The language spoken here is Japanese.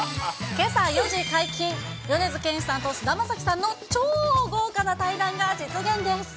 けさ４時解禁、米津玄師さんと菅田将暉さんの超豪華な対談が実現です。